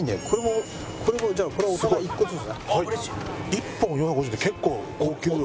１本４５０円って結構高級よ。